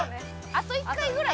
あと１回ぐらい。